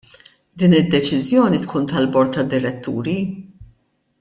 Din id-deċiżjoni tkun tal-bord tad-diretturi?